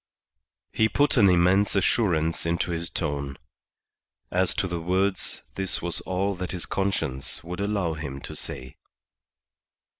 He put an immense assurance into his tone. As to the words, this was all that his conscience would allow him to say.